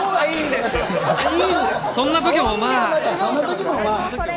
そんな時も、まぁ。